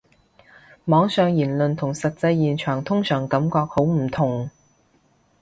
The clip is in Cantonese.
網上言論同實際現場通常感覺好唔同